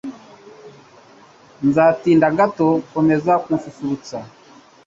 Nzatinda gato. Komeza kunsusurutsa.